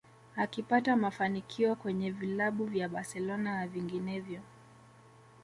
Akipata mafanikio kwenye vilabu vya Barcelona na vinginevyo